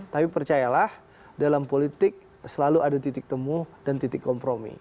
tapi percayalah dalam politik selalu ada titik temu dan titik kompromi